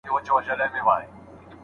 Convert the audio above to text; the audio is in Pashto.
په ګڼ ډګر کي به مړ سړی او ږیره ښکاره سي.